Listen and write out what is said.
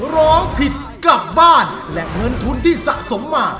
ร้องผิดกลับบ้านและเงินทุนที่สะสมมา